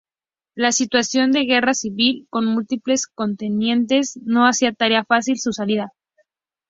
La situación de guerra civil con múltiples contendientes no hacía tarea fácil su salida.